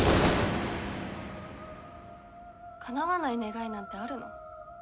かなわない願いなんてあるの？